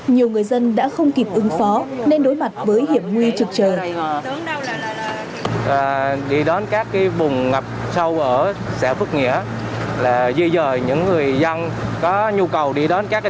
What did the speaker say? nhiều người dân đã không kịp ứng phó nên đối mặt với hiểm nguy trực chờ